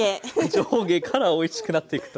上下からおいしくなっていくと。